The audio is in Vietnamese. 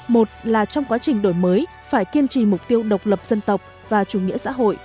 một là trong quá trình đổi mới phải kiên trì mục tiêu độc lập dân tộc và chủ nghĩa xã hội